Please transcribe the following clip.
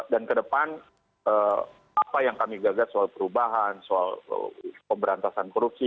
dan kedepan apa yang kami gagal soal perubahan soal pemberantasan korupsi